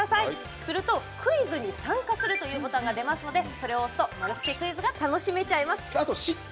すると「クイズに参加する」というボタンが出ますのでそれを押すと丸つけクイズが楽しめちゃいます。